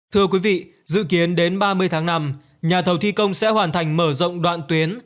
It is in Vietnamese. thưa quý vị dự kiến đến ba mươi tháng năm nhà thầu thi công sẽ hoàn thành mở rộng đoạn tuyến